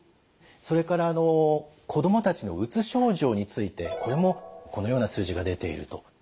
それから子どもたちのうつ症状についてこれもこのような数字が出ていると。